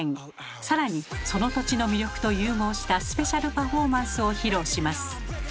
更にその土地の魅力と融合したスペシャルパフォーマンスを披露します。